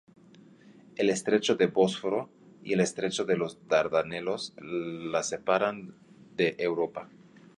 El estrecho de Bósforo y el estrecho de los Dardanelos la separan de Europa.